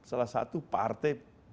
salah satu partai